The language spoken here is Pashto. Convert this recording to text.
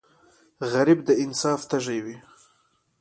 غریب د انصاف تږی وي